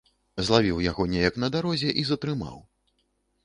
Злавіў яго неяк на дарозе і затрымаў.